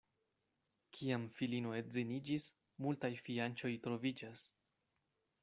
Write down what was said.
Kiam filino edziniĝis, multaj fianĉoj troviĝas.